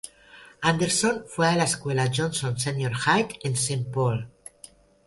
Anderson fue a la escuela Johnson Senior High en Saint Paul.